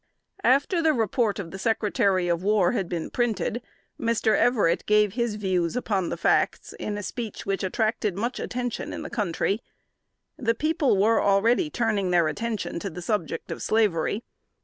After the report of the Secretary of War had been printed, Mr. Everett gave his views upon the facts, in a speech which attracted much attention in the country. The people were already turning their attention to the subject of slavery.